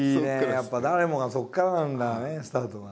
やっぱ誰もがそこからなんだよねスタートが。